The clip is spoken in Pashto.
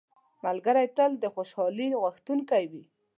ملګری تل د خوشحالۍ غوښتونکی وي